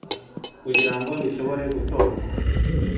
kugira ngo bishobore gutorwa